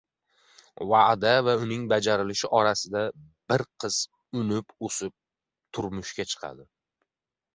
• Va’da va uning bajarlishi orasida bir qiz unib-o‘sib, turmushga chiqadi.